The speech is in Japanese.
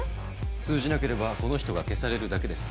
通じなければこの人が消されるだけです。